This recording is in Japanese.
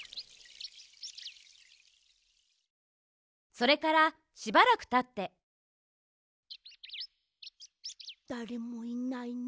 それからしばらくたってだれもいないね。